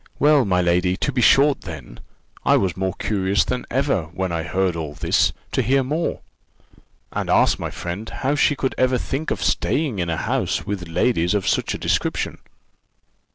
"Well, my lady, to be short, then I was more curious than ever, when I heard all this, to hear more; and asked my friend how she could ever think of staying in a house with ladies of such a description!